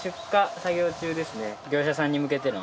業者さんに向けての。